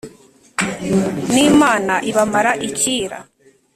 N'Imana ibamara icyira.